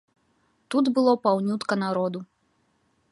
Тут было паўнютка народу.